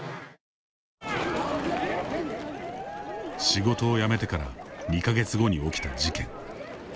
仕事を辞めてから２か月後に起きた事件。